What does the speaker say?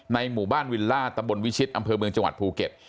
หมู่บ้านวิลล่าตำบลวิชิตอำเภอเมืองจังหวัดภูเก็ต